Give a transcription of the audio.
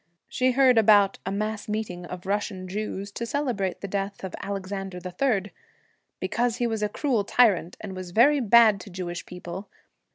She heard about a mass meeting of Russian Jews to celebrate the death of Alexander III, 'because he was a cruel tyrant, and was very bad to Jewish people.'